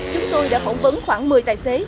chúng tôi đã phỏng vấn khoảng một mươi tài xế